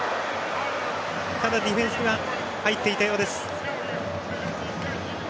ただ、ディフェンスが入っていたようです。